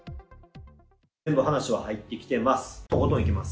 全部話は入ってきてます。